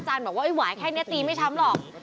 แกตีด้วยแรงขนาดไหนใช่ไหม